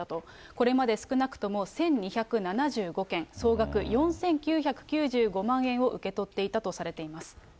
これまで少なくとも１２７５件、総額４９９５万円を受け取っていたとされています。